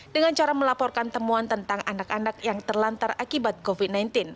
dengan cara melaporkan temuan tentang anak anak yang terlantar akibat covid sembilan belas